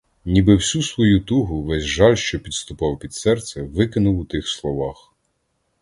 Ніби всю свою тугу, весь жаль, що підступав під серце, викинув у тих словах.